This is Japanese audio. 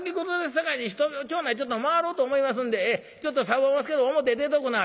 さかいに町内ちょっと回ろうと思いますんでちょっと寒うおますけど表出ておくんなはれ。